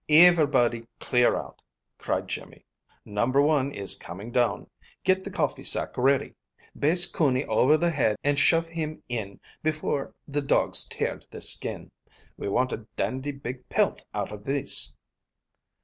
"Iverybody clear out!" cried Jimmy. "Number one is coming down. Get the coffee sack ready. Baste cooney over the head and shove him in before the dogs tear the skin. We want a dandy big pelt out of this!"